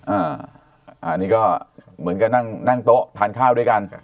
อันนี้ก็เหมือนกับนั่งนั่งโต๊ะทานข้าวด้วยกัน